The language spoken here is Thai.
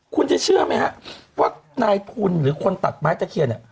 คุณจะเชื่อไหมฮะว่านายทุนหรือคนตัดไม้ตะเคียนเนี่ย